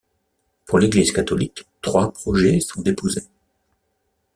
Pour l'église catholique, trois projets sont déposés.